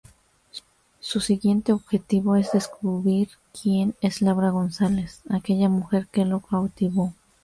Su siguiente objetivo es descubrir quien es Laura González, aquella mujer que lo cautivó.